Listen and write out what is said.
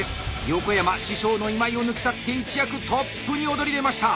横山師匠の今井を抜き去って一躍トップに躍り出ました！